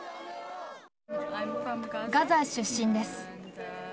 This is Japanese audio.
ガザ出身です。